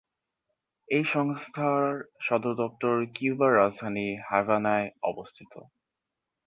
এই সংস্থার সদর দপ্তর কিউবার রাজধানী হাভানায় অবস্থিত।